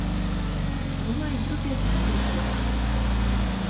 Runojit drupeiti cīšuok!